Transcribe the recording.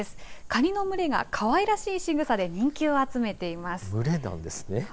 カニの群れが可愛らしいしぐさで人気を集めています。